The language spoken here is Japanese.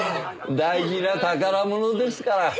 大事な宝物ですからはい。